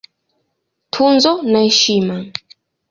Tuzo na Heshima